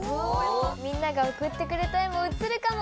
みんなが送ってくれた絵も映るかも！